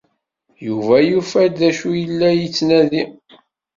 Yuba yufa-d d acu i yella yettnadi.